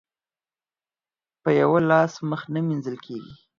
په يوه لاس مخ نه مينځل کېږي.